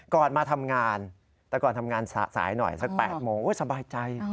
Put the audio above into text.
มาทำงานแต่ก่อนทำงานสายหน่อยสัก๘โมงสบายใจ